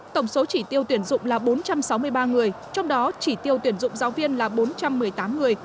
tổng số chỉ tiêu tuyển dụng là bốn trăm sáu mươi ba người trong đó chỉ tiêu tuyển dụng giáo viên là bốn trăm một mươi tám người